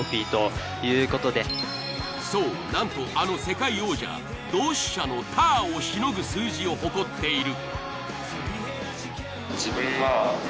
そうなんとあの世界王者同志社のたぁをしのぐ数字を誇っている。